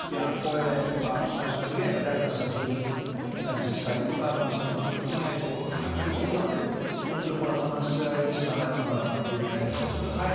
最終的には第三者、住民自治会とかマンションの管理組合とか入ってもらって本当に話し合いでしかないのかなというのが。